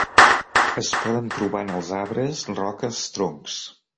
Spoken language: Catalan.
Es poden trobar en els arbres, roques, troncs.